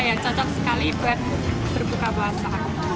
yang cocok sekali buat berbuka puasa